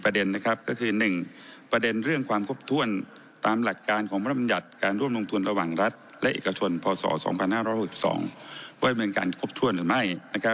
ก็คือ๑ประเด็นเรื่องความครบถ้วนตามหลักการของพระรำยัติการร่วมลงทุนระหว่างรัฐและเอกชนพศ๒๕๖๒ว่าดำเนินการครบถ้วนหรือไม่